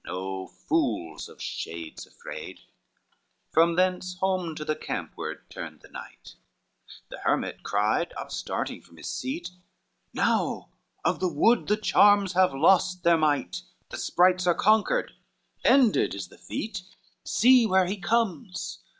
O fools, of shades afraid!" XXXIX From thence home to the campward turned the knight, The hermit cried, upstarting from his seat, "Now of the wood the charms have lost their might, The sprites are conquered, ended is the feat, See where he comes!"